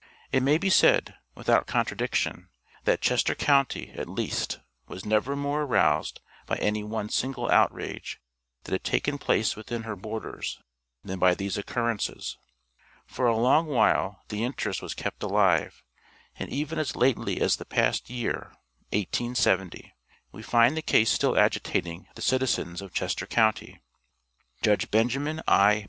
It may be said, without contradiction, that Chester county, at least, was never more aroused by any one single outrage that had taken place within her borders, than by these occurrences. For a long while the interest was kept alive, and even as lately as the past year (1870), we find the case still agitating the citizens of Chester county. Judge Benjamin I.